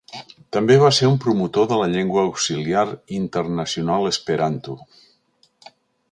També va ser un promotor de la llengua auxiliar internacional esperanto.